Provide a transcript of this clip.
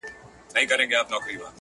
درته ایښي د څپلیو دي رنګونه؛!